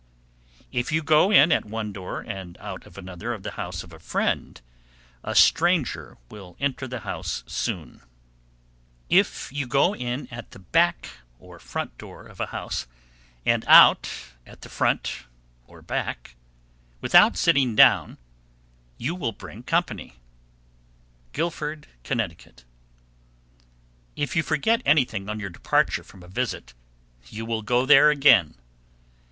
752. If you go in at one door and out of another of the house of a friend, a stranger will enter the house soon. Central New Hampshire. 753. If you go in at the back (or front) door of a house, and out at the front (or back) without sitting down, you will bring company. Guilford, Conn. 754. If you forget anything on your departure from a visit, you will go there again.